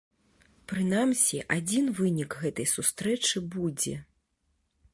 Прынамсі, адзін вынік гэтай сустрэчы будзе.